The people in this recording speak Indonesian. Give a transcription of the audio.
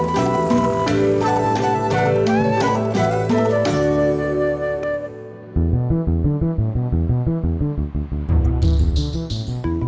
berapa duit output di sini